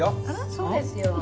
そうですよ。